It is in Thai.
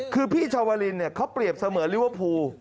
คือพี่ชาวลินเขาเปรียบเสมือนลิเวอร์พูล